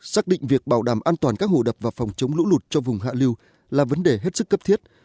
xác định việc bảo đảm an toàn các hồ đập và phòng chống lũ lụt cho vùng hạ lưu là vấn đề hết sức cấp thiết